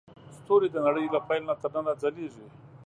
ستوري د نړۍ له پیل نه تر ننه ځلېږي.